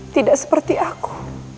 tidak seperti aku